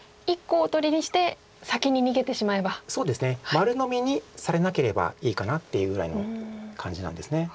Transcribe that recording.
丸のみにされなければいいかなっていうぐらいの感じなんです。